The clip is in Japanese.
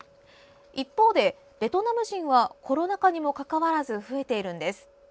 一方でベトナム人はコロナ禍にもかかわらず増えているんです。